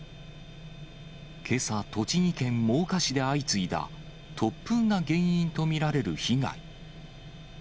けさ、栃木県真岡市で相次いだ、突風が原因と見られる被害。